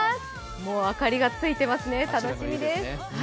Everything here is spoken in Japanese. もう明かりがついていますね、楽しみです。